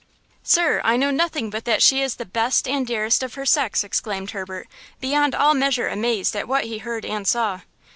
"Sir, I know nothing but that she is the best and dearest of her sex!" exclaimed Herbert, beyond all measure amazed at what he heard and saw.